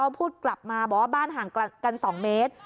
พูดกลับมาบอกว่าบ้านห่างกัน๒เมตร